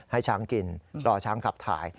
ให้ช้างกินรอช้างขับถ่าย